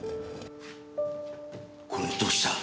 これをどうした！？